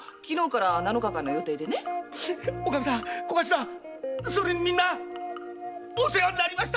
小頭それにみんなお世話になりました！